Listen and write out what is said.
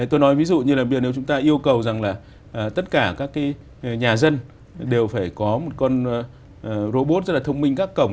tôi nói ví dụ như là bây giờ nếu chúng ta yêu cầu rằng là tất cả các nhà dân đều phải có một con robot rất là thông minh các cổng